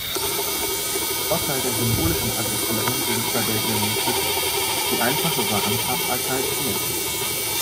Vorteil der symbolischen Adressierung gegenüber der geometrischen ist die einfachere Handhabbarkeit für Menschen.